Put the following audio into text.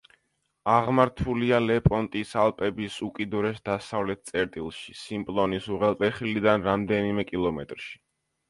აღმართულია ლეპონტის ალპების უკიდურეს დასავლეთ წერტილში, სიმპლონის უღელტეხილიდან რამდენიმე კილომეტრში.